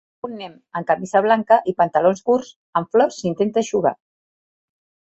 Un nen amb camisa blanca i pantalons curts amb flors s'intenta eixugar.